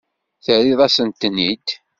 Terriḍ-asent-ten-id.